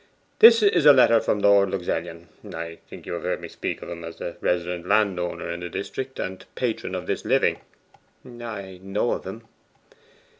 This is a letter from Lord Luxellian. I think you heard me speak of him as the resident landowner in this district, and patron of this living?' 'I know of him.